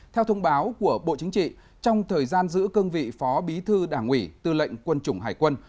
theo thông báo của bộ chính trị trong thời gian giữ cương vị phó bí thư đảng ủy tư lệnh quân chủng hải quân